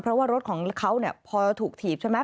เพราะว่ารถของเขาเนี่ยพอถูกถีบใช่ไหม